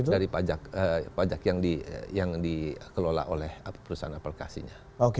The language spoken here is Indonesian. dari pajak yang dikelola oleh perusahaan aplikasinya